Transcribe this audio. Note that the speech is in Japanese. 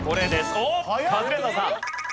おっカズレーザーさん。